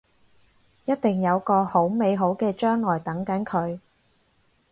一定有個好美好嘅將來等緊佢